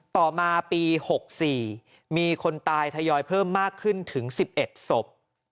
ต่อมาปี๖๔มีคนตายทยอยเพิ่มมากขึ้นถึง๑๑ศพ